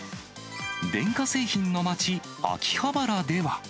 電化製品の街、秋葉原では。